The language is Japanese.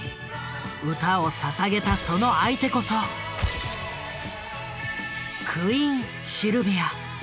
歌をささげたその相手こそクイーンシルビア。